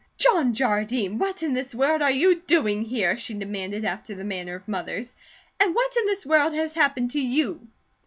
"John Jardine, what in the world are you doing here?" she demanded after the manner of mothers, "and what in this world has happened to you?"